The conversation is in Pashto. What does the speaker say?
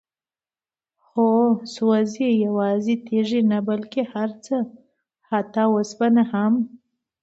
هو؛ سوزي، يوازي تيږي نه بلكي هرڅه، حتى اوسپنه هم